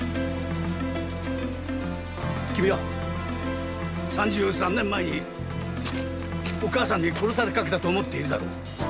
君は３３年前にお母さんに殺されかけたと思っているだろう。